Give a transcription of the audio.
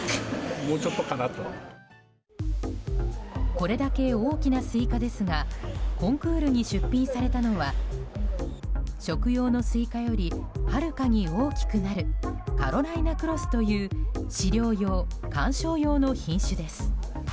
これだけ大きなスイカですがコンクールに出品されたのは食用のスイカよりはるかに大きくなるカロライナクロスという飼料用・観賞用の品種です。